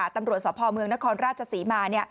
ตำรวจสพเมืองนครราชศรีมา